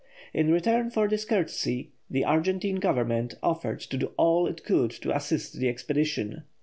In return for this courtesy the Argentine Government offered to do all it could to assist the expedition.